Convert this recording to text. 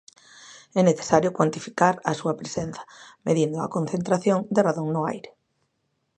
É necesario cuantificar a súa presenza, medindo a concentración de radon no aire.